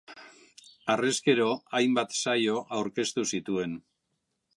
Harrezkero hainbat saio aurkeztu zituen.